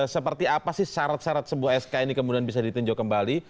seperti apa sih syarat syarat sebuah sk ini kemudian bisa ditinjau kembali